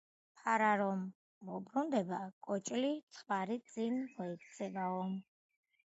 ფარა რომ მობრუნდება, კოჭლი ცხვარი წინ მოექცევაო